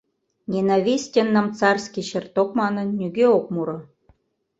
«Ненавистен нам царский чертог» манын, нигӧ ок муро.